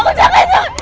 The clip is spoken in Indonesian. rana jangan deketin aku